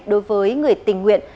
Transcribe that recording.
đối với người tình nguyện